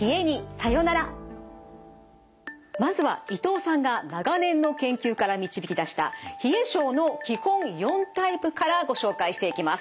まずは伊藤さんが長年の研究から導き出した冷え症の基本４タイプからご紹介していきます。